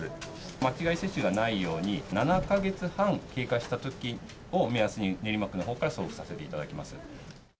間違い接種がないように、７か月半経過したときを目安に、練馬区のほうから送付させていただきます。